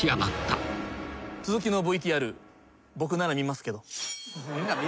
続きのＶＴＲ僕なら見ますけど。